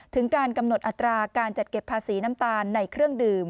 ถึงการกำหนดอัตราการจัดเก็บภาษีน้ำตาลในเครื่องดื่ม